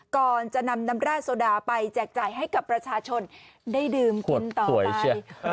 ก่อนจะนำน้ำแร่โซดาไปแจกจ่ายให้กับประชาชนได้ดื่มคุณต่อไป